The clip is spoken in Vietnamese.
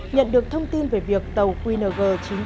nhận được thông tin về việc tàu qng